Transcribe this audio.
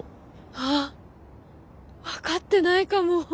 あぁ分かってないかも。